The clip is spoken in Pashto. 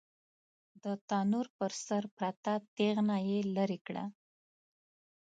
د تنور پر سر پرته تېغنه يې ليرې کړه.